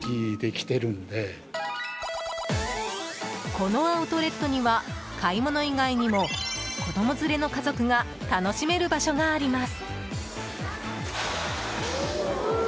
このアウトレットには買い物以外にも子供連れの家族が楽しめる場所があります。